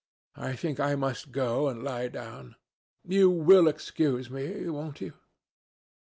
I think I must go and lie down. You will excuse me, won't you?"